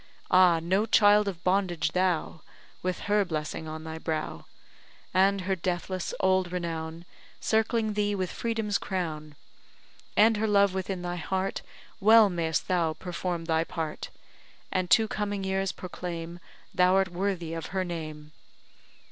Ah! no child of bondage thou; With her blessing on thy brow, And her deathless, old renown Circling thee with freedom's crown, And her love within thy heart, Well may'st thou perform thy part, And to coming years proclaim Thou art worthy of her name.